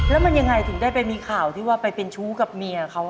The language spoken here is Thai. แล้วมันยังไงถึงได้ไปมีข่าวที่ว่าไปเป็นชู้กับเมียเขา